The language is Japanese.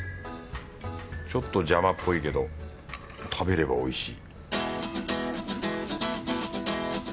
ちょっと邪魔っぽいけど食べればおいしい